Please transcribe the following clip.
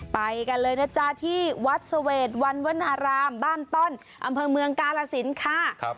ไปกันเลยนะจ๊ะที่วัดเสวดวันวนารามบ้านต้อนอำเภอเมืองกาลสินค่ะ